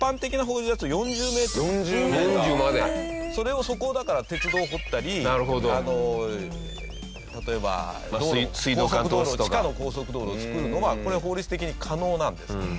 それをそこをだから鉄道掘ったり例えば道路高速道路地下の高速道路を造るのはこれは法律的に可能なんですね。